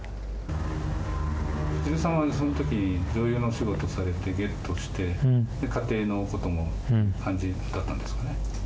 ちづるさんはそのとき女優のお仕事されてＧｅｔして家庭のこともって感じだったんですかね